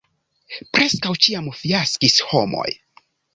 Preskaŭ ĉiam fiaskis homoj.